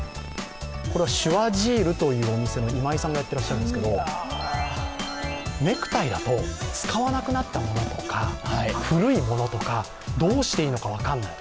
これはｃｈｏｉｓｉｒというお店の今井さんがやってらっしゃるんですけどネクタイだと使わなくなったものとか、古いものとか、どうしていいのか分からない。